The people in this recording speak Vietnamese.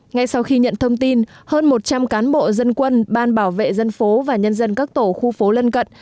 ngay sau khi nhận thông tin hơn một trăm linh cán bộ dân quân ban bảo vệ dân phố và nhân dân các tổ khu phố lân cận